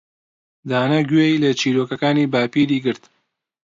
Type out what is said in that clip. دانا گوێی لە چیرۆکەکانی باپیری گرت.